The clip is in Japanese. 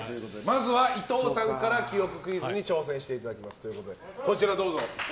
まずは伊藤さんから記憶クイズに挑戦していただきます。